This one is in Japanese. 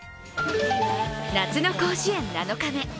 夏の甲子園７日目。